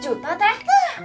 lima belas juta teh